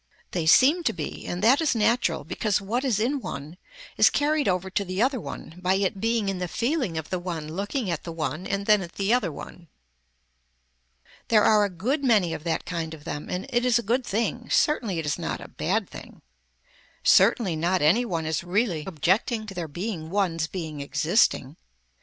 They seem to be, and that is natural because what is in one is carried over to the other one by it being in the feeling of the one looking at the one and then at the other one. There are a good many of that kind of them and it is a good thing, certainly it is not a bad thing. Certainly not any one is really objecting to their being ones being existing.